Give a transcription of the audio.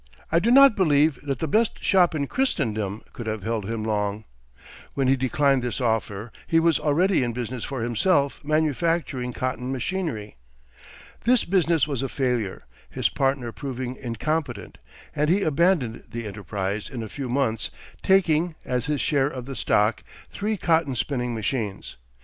I do not believe that the best shop in Christendom could have held him long. When he declined this offer he was already in business for himself manufacturing cotton machinery. This business was a failure, his partner proving incompetent; and he abandoned the enterprise in a few months, taking, as his share of the stock, three cotton spinning machines.